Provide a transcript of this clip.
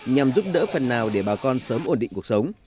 nhằm giúp đỡ phần nào để bà con sớm ổn định cuộc sống